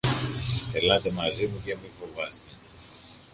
Ελάτε μαζί μου και μη φοβάστε!